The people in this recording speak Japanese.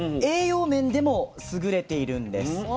栄養面でも優れているんです。